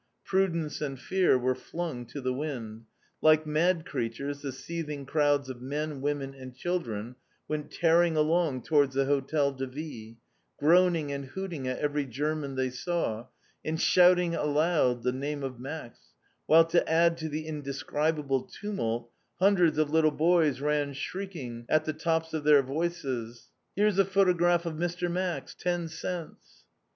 Prudence and fear were flung to the wind. Like mad creatures the seething crowds of men, women, and children went tearing along towards the Hotel de Ville, groaning and hooting at every German they saw, and shouting aloud the name of "Max," while to add to the indescribable tumult, hundreds of little boys ran shrieking at the tops of their voices, "_Voici le photographie ed Monsieur Max, dix centimes!